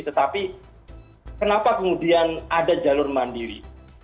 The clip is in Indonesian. tetapi kenapa kemudian ada jalur mandiri